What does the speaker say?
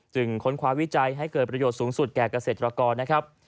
ค้นคว้าวิจัยให้เกิดประโยชน์สูงสุดแก่เกษตรกรนะครับ